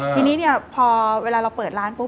ทีนี้พอเดี๋ยวเราเปิดร้าน